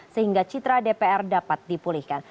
sehingga citra dpr dapat dipulihkan